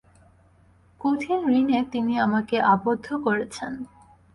কঠিন ঋণে তিনি আমাকে আবদ্ধ করেছেন।